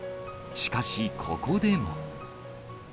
しかし、ここでも。